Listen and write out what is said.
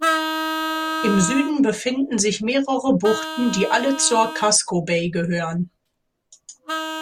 Im Süden befinden sich mehrere Buchten, die alle zur Casco Bay gehören.